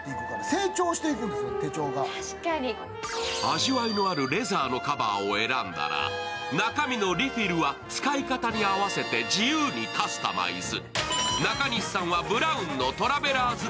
味わいのあるレザーのカバーを選んだら、中身のリフィルは使い方に合わせて自由にカスタマイズ。